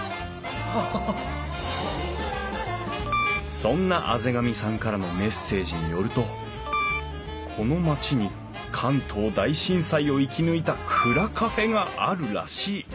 そんな畔上さんからのメッセージによるとこの町に関東大震災を生き抜いた蔵カフェがあるらしい。